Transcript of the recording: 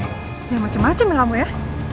jangan macem macem ya kamu ya